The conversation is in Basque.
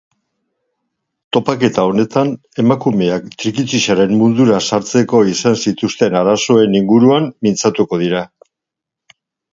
Topaketa honetan emakumeak trikitixaren mundura sartzeko izan zituzten arazoen inguruan mintzatuko dira.